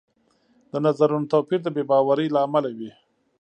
د نظرونو توپیر د بې باورۍ له امله وي